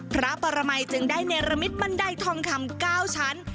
พระปรมัยจึงได้เนรมิตบันไดทองคำ๙ชั้น